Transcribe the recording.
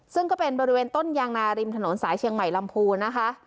ซึ่งก็เป็นบริเวณต้นยางนาริมถนนสายเชียงใหม่ลำพูนะคะ